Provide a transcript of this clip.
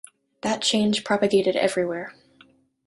That change propagated everywhere.